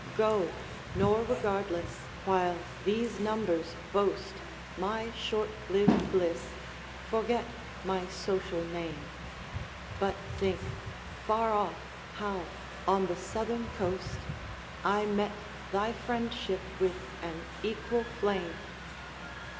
Go! nor regardless, while these numbers boast My short lived bliss, forget my social name; But think, far off, how on the Southern coast I met thy friendship with an equal flame!